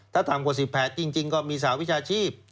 ถ้าทำกว่า๑๘จริงก็มีสาวิชาชีพ